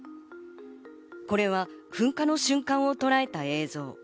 これは噴火の瞬間をとらえた映像。